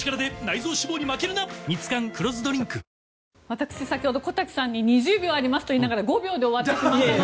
私、先ほど小瀧さんに２０秒ありますと言いながら５秒で終わってしまって。